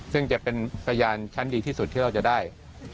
ซึ่งจะเป็นพยานชั้นดีที่สุดที่เราจะได้